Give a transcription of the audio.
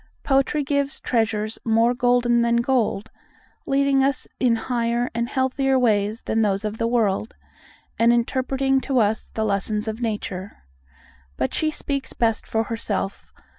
Poetry gives treasures "more golden than gold," leading us in higher and healthier ways than those of the world, and interpreting to us the lessons of Nature. But she speaks best for herself.